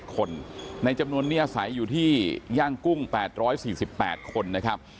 คนในจำนวนนี้อาศัยอยู่ที่ย่างกุ้ง๘๔๘คนนะครับ